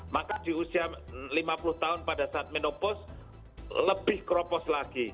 maka di usia lima puluh tahun pada saat menopos lebih kropos lagi